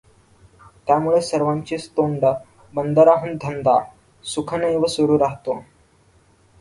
त्यामुळे सर्वांचीच तोंडं बंदराहून ‘धंदा’ सुखनैव सुरू राहतो.